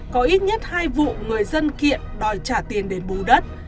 có ít nhất hai vụ người dân kiện đòi trả tiền đền bù đất